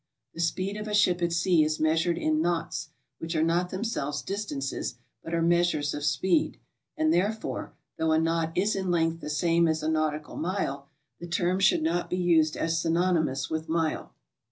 The speed of a ship at sea is measured in knots, wihich are not theniiselves distances, but are measures HOW TO GO. 49 of speed, and therefore, though a knot is in length the same as a nautical mile, the term should not be used as synony mous with mile.